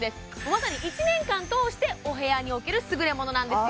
まさに１年間通してお部屋に置けるすぐれものなんですよ